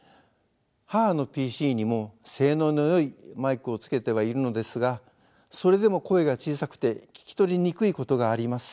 母のＰＣにも性能のよいマイクをつけてはいるのですがそれでも声が小さくて聞き取りにくいことがあります。